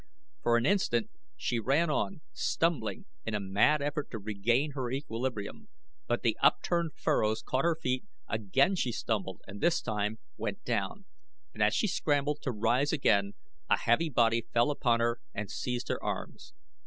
For an instant she ran on, stumbling, in a mad effort to regain her equilibrium, but the upturned furrows caught her feet again she stumbled and this time went down, and as she scrambled to rise again a heavy body fell upon her and seized her arms.